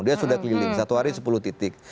dia sudah keliling satu hari sepuluh titik